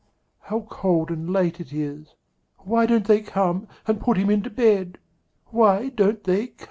How cold and late it is! Why don't they come And put him into bed? Why don't they come?